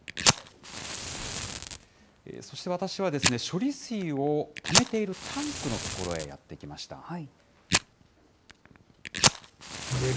そして私は、処理水をためているタンクの所へやって来ました。